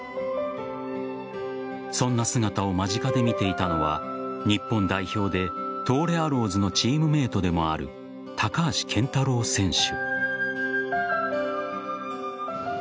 そんな姿を間近で見ていたのは日本代表で、東レアローズのチームメートでもある高橋健太郎選手。